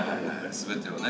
全てをね